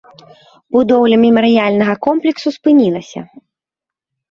Будоўля мемарыяльнага комплексу спынілася.